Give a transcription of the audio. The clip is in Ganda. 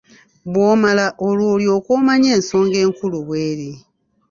Bw'omala olwo olyoke omanye ensonga enkulu bw’eri.